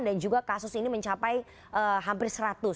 dan juga kasus ini mencapai hampir seratus